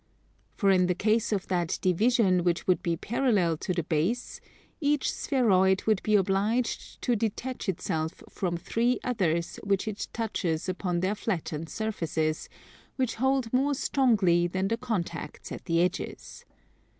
For in the case of that division which would be parallel to the base, each spheroid would be obliged to detach itself from three others which it touches upon their flattened surfaces, which hold more strongly than the contacts at the edges.